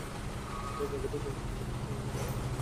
তবে পাখিটি চঞ্চল প্রকৃতির হওয়ায় গলার নীল অংশসহ ছবি তোলা সহজ নয়।